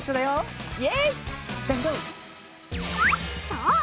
そう！